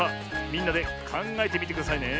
みんなでかんがえてみてくださいね。